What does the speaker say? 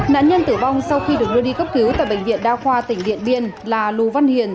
nạn nhân tử vong sau khi được đưa đi cấp cứu tại bệnh viện đa khoa tỉnh điện biên là lù văn hiền